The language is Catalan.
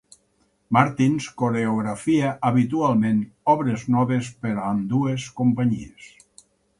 Martins coreaografia habitualment obres noves per a ambdues companyies.